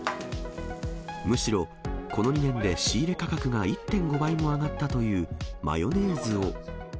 むしろこの２年で仕入れ価格が１．５倍も上がったという、マヨネーズを。